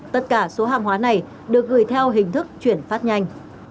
tất cả số hàng hóa này được gửi theo hình thức chuyển phát nhanh